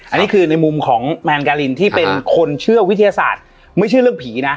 อันนี้คือในมุมของแมนการินที่เป็นคนเชื่อวิทยาศาสตร์ไม่เชื่อเรื่องผีนะ